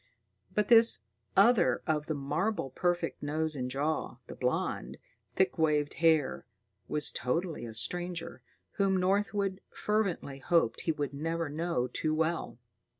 But this other of the marble perfect nose and jaw, the blond, thick waved hair, was totally a stranger, whom Northwood fervently hoped he would never know too well.